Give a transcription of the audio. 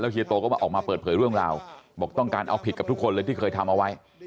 เฮียโตก็มาออกมาเปิดเผยเรื่องราวบอกต้องการเอาผิดกับทุกคนเลยที่เคยทำเอาไว้